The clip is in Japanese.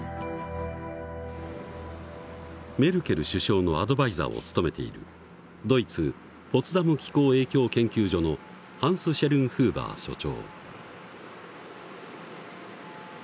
メルケル首相のアドバイザーを務めているドイツ・ポツダム気候影響研究所のハンス・シェルンフーバー所長。